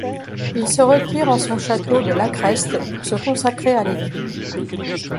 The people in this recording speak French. Il se retire en son château de La Creste pour se consacrer à l'étude.